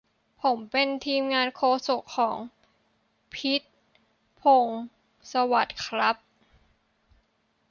ผมเป็นทีมงานโฆษกของ พิชญ์ พงษ์สวัสดิ์ ครับ